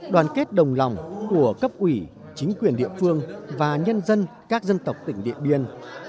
đoàn kết đồng lòng của cấp ủy chính quyền địa phương và nhân dân các dân tộc tỉnh điện biên